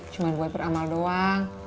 gue peramal doang